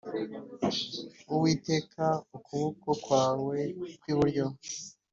“uwiteka, ukuboko kwawe kw’iburyo